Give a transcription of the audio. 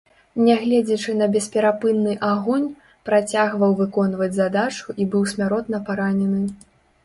Нягледзячы на бесперапынны агонь, працягваў выконваць задачу і быў смяротна паранены.